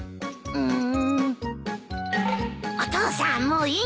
うん？